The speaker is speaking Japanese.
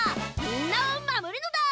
みんなをまもるのだ！